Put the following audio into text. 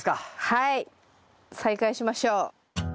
はい再開しましょう。